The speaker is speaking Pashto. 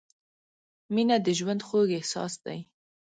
• مینه د ژوند خوږ احساس دی.